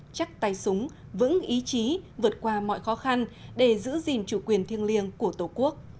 chắc tay súng vững ý chí vượt qua mọi khó khăn để giữ gìn chủ quyền thiêng liêng của tổ quốc